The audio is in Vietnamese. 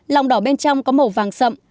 lòng đỏ bên trong có màu vàng sậm